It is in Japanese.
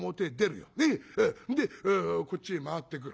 でこっちに回ってくる。